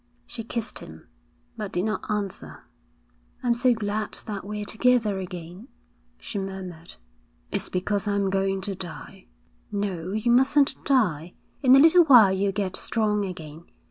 She kissed him, but did not answer. 'I'm so glad that we're together again,' she murmured. 'It's because I'm going to die.' 'No, you mustn't die. In a little while you'll get strong again.